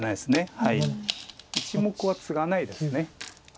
１目はツガないです。